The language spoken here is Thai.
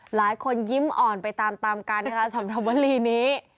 หลายคนยิ้มอ่อนไปตามตามกันนะคะสำหรับวลีนี้